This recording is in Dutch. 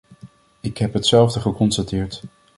Ik heb hetzelfde geconstateerd.